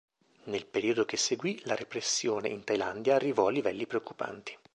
Nell periodo che seguì, la repressione in Thailandia arrivò a livelli preoccupanti.